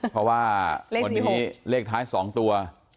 เพราะว่าเลขท้าย๒ตัว๔๖